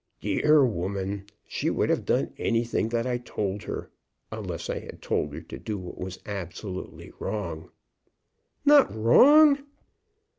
"Dear woman! She would have done anything that I told her, unless I had told her to do what was absolutely wrong." "Not wrong!"